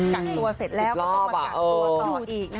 กักตัวเสร็จแล้วก็ต้องมากักตัวต่ออีก